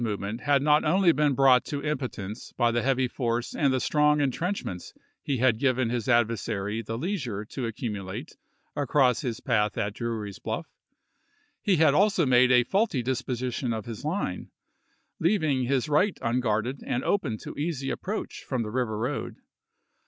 movement had not only been brought to impo tence by the heavy force and the strong intrench ments he had given his adversary the leisure to accumulate across his path at Drewry's Bluff ; he had also made a faulty disposition of his line, leav ing his right unguarded and open to easy ap proach from the River road.